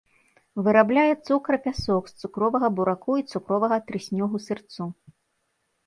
Вырабляе цукар-пясок з цукровага бураку і цукровага трыснёгу-сырцу.